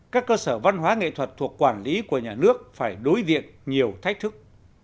các cơ sở văn hóa nghệ thuật thuộc quản lý của nhà nước phải đối diện nhiều thách thức